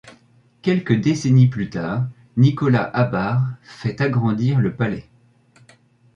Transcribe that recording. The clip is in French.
Quelques décennies plus tard, Nicolas Habart fait agrandir le palais.